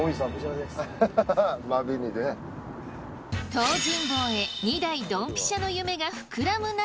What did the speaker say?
東尋坊へ２台ドンピシャの夢が膨らむ中。